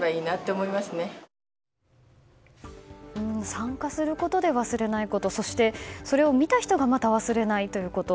参加することで忘れないことそして、それを見た人がまた忘れないということ。